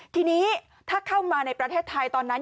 ทีนี้ถ้าเข้ามาในประเทศไทยตอนนั้น